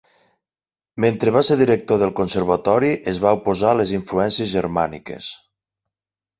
Mentre va ser director del Conservatori es va oposar a les influències germàniques.